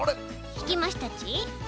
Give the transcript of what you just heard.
ひきましたち？